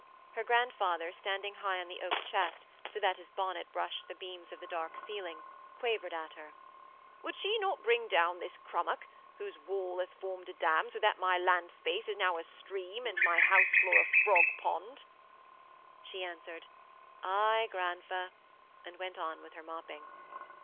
Her grandfather, standing high on the oak chest, so that his bonnet brushed the beams of the dark ceiling, quavered at her: 'Would she not bring down this Crummock, whose wall hath formed a dam so that my land space is now a stream and my house floor a frog pond?' She answered, 'Aye, grandfer,' and went on with her mopping.